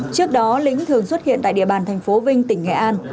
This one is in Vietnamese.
trước đó lĩnh thường xuất hiện tại địa bàn thành phố vinh tỉnh nghệ an